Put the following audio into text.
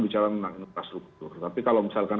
bicara tentang infrastruktur tapi kalau misalkan